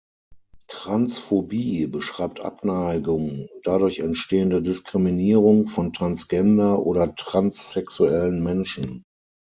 Transphobie beschreibt Abneigung und dadurch entstehende Diskriminierung von Transgender- oder transsexuellen Menschen.